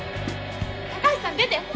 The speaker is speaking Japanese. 高橋さん出て！